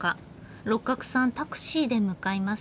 六角さんタクシーで向かいます。